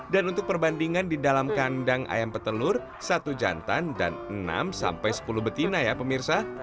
dan untuk perbandingan di dalam kandang ayam petelur satu jantan dan enam sampai sepuluh betina ya pemirsa